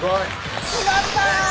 決まった！